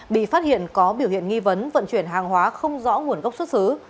bị phát hiện có biểu hiện nghi vấn vận chuyển hàng hóa không rõ nguồn gốc xuất xứ